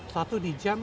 satu di jam